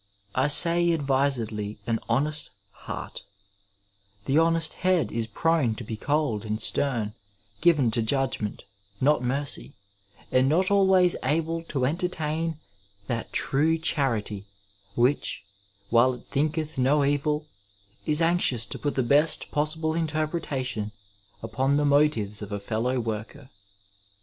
I say advisedly an honest heart — the honest head is prone to be cold and stem, given to judgment, not mercy, and not always able to entertain that true charity which, while it lUnketh no evil, is anxious to put the best possible interpretation upon the motives of a fellow worker.